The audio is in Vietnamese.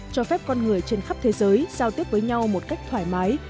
cho phép con người trên khắp thế giới giao tiếp với nhau một cách thoải mái